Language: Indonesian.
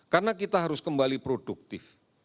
karena kita harus kembali produktif